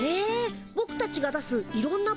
ぼくたちが出すいろんなパワーを？